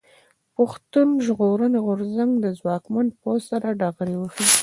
پښتون ژغورني غورځنګ د ځواکمن پوځ سره ډغرې وهي.